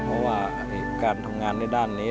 เพราะว่าการทำงานในด้านนี้